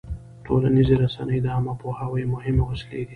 ټولنیزې رسنۍ د عامه پوهاوي مهمې وسیلې دي.